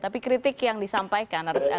tapi kritik yang disampaikan harus ada